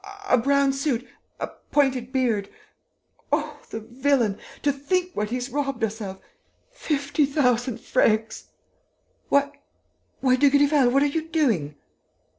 A brown suit.... A pointed beard.... Oh, the villain, to think what he's robbed us of!... Fifty thousand francs!... Why ... why, Dugrival, what are you doing?"